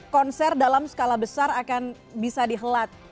konser dalam skala besar akan bisa dihelat